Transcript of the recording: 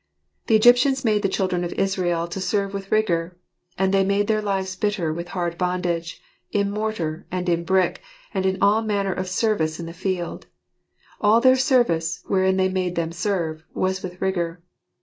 " The Egyptians made the children of Israel to serve with rigour : and they made their lives bitter with hard bondage, in mortar, and in brick, and in all manner of service in the field ; all their service, wherein they made them serve, was with rigour."